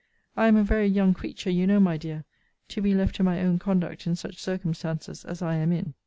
I am a very young creature you know, my dear, to be left to my own conduct in such circumstances as I am in.